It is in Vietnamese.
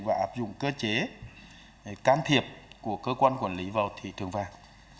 và áp dụng cơ chế can thiệp của cơ quan quản lý vào thị trường vàng